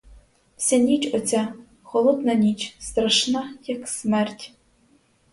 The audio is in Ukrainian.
Вся ніч оця, холодна ніч, страшна, як смерть!